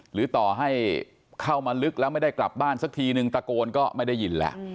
หรือต่อให้เข้ามาลึกแล้วไม่ได้กลับบ้านสักทีนึงตะโกนก็ไม่ได้ยินแหละ